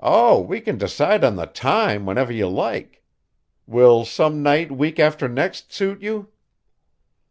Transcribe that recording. "Oh, we can decide on the time whenever you like. Will some night week after next suit you?"